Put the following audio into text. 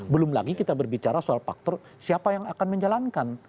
belum lagi kita berbicara soal faktor siapa yang akan menjalankan